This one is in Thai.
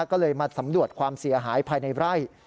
ก็เลยมาสำรวจความเสียหายภายในไร่